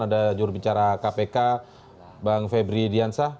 ada jurubicara kpk bang febri diansah